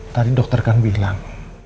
tadi dokter kang bilang